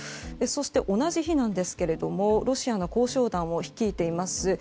そして、同じ日なんですけれどロシアの交渉団を率いています